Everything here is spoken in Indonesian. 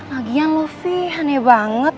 lagian loh fi aneh banget